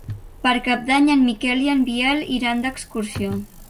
Per Cap d'Any en Miquel i en Biel iran d'excursió.